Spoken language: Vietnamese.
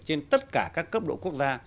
trên tất cả các cấp độ quốc gia